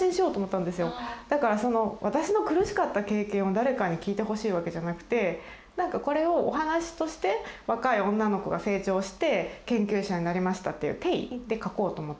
だから私の苦しかった経験を誰かに聞いてほしいわけじゃなくてなんかこれをお話として若い女の子が成長して研究者になりましたっていう体で書こうと思って。